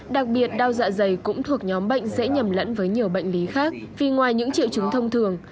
đặc biệt đau dạ dày cũng thuộc nhóm bệnh dễ nhầm lẫn với nhiều bệnh lý khác vì ngoài những triệu chứng thông thường